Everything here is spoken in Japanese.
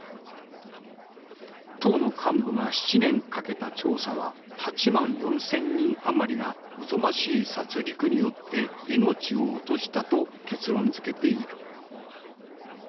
党の幹部が７年かけた調査は８万４，０００人余りがおぞましい殺戮によって命を落としたと結論づけている。